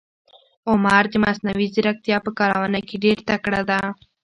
عمر د مصنوي ځیرکتیا په کارونه کې ډېر تکړه ده.